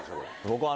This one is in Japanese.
僕は。